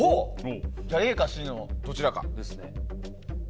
じゃあ、ＡかＣのどちらか。